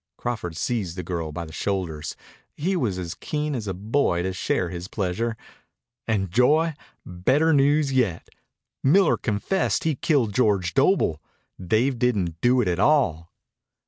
Crawford seized the girl by the shoulders. He was as keen as a boy to share his pleasure. "And Joy better news yet. Miller confessed he killed George Doble. Dave didn't do it at all."